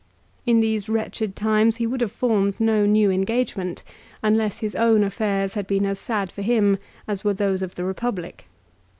In these wretched times he would have formed no new engagement unless his own affairs had been as sad for him as were those of the Republic.